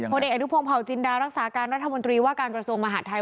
ผลเอกอนุพงศาวจินดารักษาการรัฐมนตรีว่าการกระทรวงมหาดไทย